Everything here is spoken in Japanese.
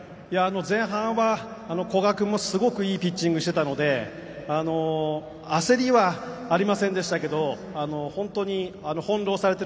前半は古賀君もすごくいいピッチングしてたので焦りはありませんでしたけど本当に翻弄されてる感じでした。